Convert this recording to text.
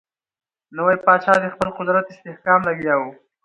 نوی پاچا د خپل قدرت استحکام لګیا وو.